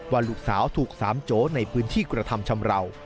ว่าลูกสาวถูกสามโจในพื้นที่กระทำชำราว